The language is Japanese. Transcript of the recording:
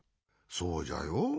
そうじゃよ。